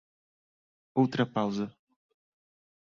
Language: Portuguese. Outra pausa.